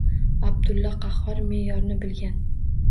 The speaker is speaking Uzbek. Abdulla Qahhor me’yorni bilgan